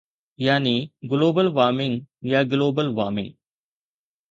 يعني global warming يا global warming